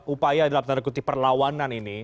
upaya dalam tanda kutip perlawanan ini